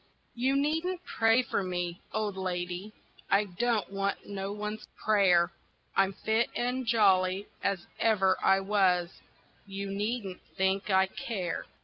You needn't pray for me, old lady, I don't want no one's prayer, I'm fit and jolly as ever I was you needn't think I care.